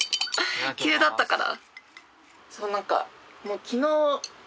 急だったから。